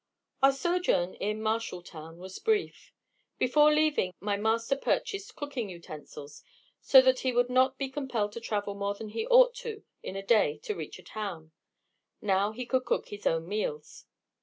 _ Our sojourn in Marshalltown was brief. Before leaving, my master purchased cooking utensils, so that he would not be compelled to travel more than he ought to in a day to reach a town; now he could cook his own meals.